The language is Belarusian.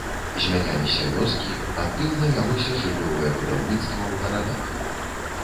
Змяняліся вёскі, актыўна вялося жыллёвае будаўніцтва ў гарадах.